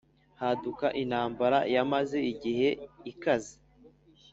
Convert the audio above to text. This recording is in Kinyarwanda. haduka intambara yamaze igihe ikaze